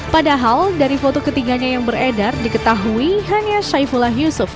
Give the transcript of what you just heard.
padahal dari foto ketiganya yang beredar diketahui hanya saifullah yusuf